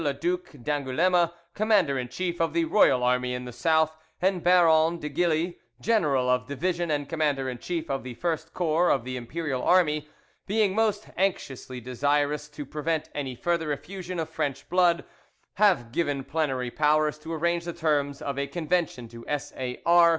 le Duc d'Angouleme, Commander in Chief of the royal army in the South, and Baron de Gilly, General of Division and Commander in Chief of the first corps of the Imperial Army, being most anxiously desirous to prevent any further effusion of French blood, have given plenary powers to arrange the terms of a convention to S.A.R.